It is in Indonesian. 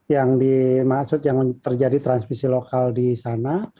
yang dimaksud yang terjadi transmisi lokal di sana